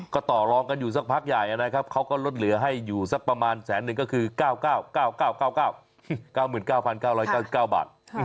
ก็ต่อรองกันอยู่สักพักใหญ่นะครับเขาก็ลดเหลือให้อยู่สักประมาณแสนหนึ่งก็คือ๙๙๙๙๙๙๙๙บาท